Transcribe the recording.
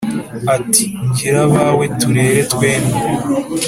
ati « ngire abawe turere twembi »